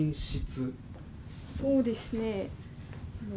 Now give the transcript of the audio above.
そうですね。